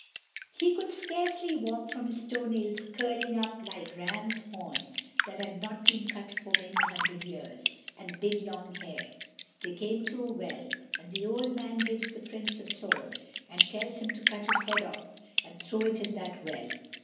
He could scarcely walk from his toe nails curling up like ram's horns that had not been cut for many hundred years, and big long hair. They come to a well, and the old man gives the Prince a sword, and tells him to cut his head off, and throw it in that well.